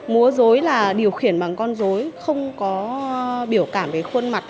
múa rối là điều khiển bằng con rối không có biểu cảm về khuôn mặt